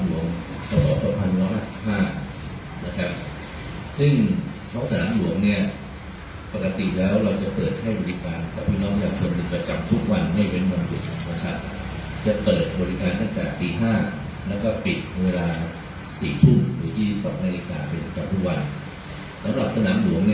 ธรรมศาสตร์ธรรมศาสตร์ธรรมศาสตร์ธรรมศาสตร์ธรรมศาสตร์ธรรมศาสตร์ธรรมศาสตร์ธรรมศาสตร์ธรรมศาสตร์ธรรมศาสตร์ธรรมศาสตร์ธรรมศาสตร์ธรรมศาสตร์ธรรมศาสตร์ธรรมศาสตร์ธรรมศาสตร์ธรรมศาสตร์ธรรมศาสตร์ธรรม